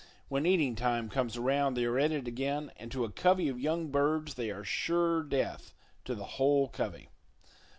When eating time comes around they are at it again, and to a covey of young birds they are sure death to the whole covey.